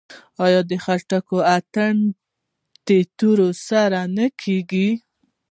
آیا د خټک اتن د تورې سره نه کیږي؟